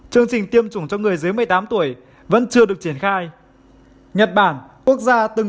chương trình tiêm chủng cho người dưới một mươi tám tuổi vẫn chưa được triển khai nhật bản quốc gia từng